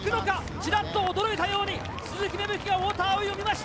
ちらっと驚いたように、鈴木芽吹が太田を見ました。